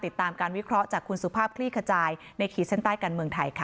ติดตามการวิเคราะห์จากคุณสุภาพคลี่ขจายในขีดเส้นใต้การเมืองไทยค่ะ